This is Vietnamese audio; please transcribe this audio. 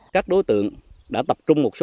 các đối tượng đã tập trung một số